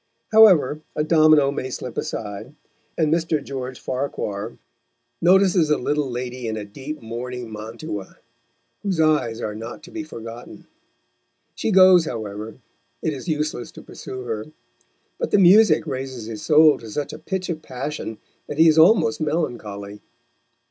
However, a domino may slip aside, and Mr. George Farquhar notices a little lady in a deep mourning mantua, whose eyes are not to be forgotten. She goes, however; it is useless to pursue her; but the music raises his soul to such a pitch of passion that he is almost melancholy.